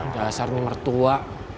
dasar nih mertua